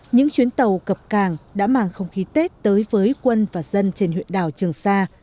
những chuyến tàu cập càng đã mang không khí tết tới với quân và dân trên huyện đảo trường sa